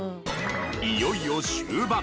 いよいよ終盤。